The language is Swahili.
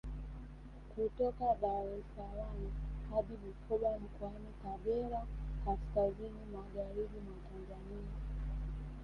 Kutoka Dar es salaam hadi Bukoba Mkoani Kagera kaskazini Magharibi mwa Tanzania